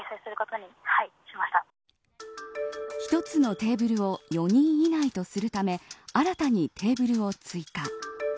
１つのテーブルを４人以内とするため新たにテーブルを追加。